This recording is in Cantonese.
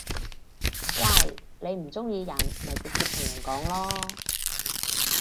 喂！你唔中意人咪直接同人講囉